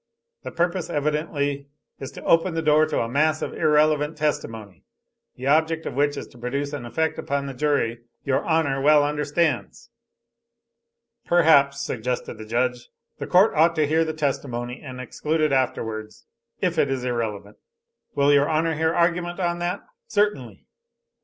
"The purpose evidently is to open the door to a mass of irrelevant testimony, the object of which is to produce an effect upon the jury your Honor well understands." "Perhaps," suggested the judge, "the court ought to hear the testimony, and exclude it afterwards, if it is irrelevant." "Will your honor hear argument on that!" "Certainly."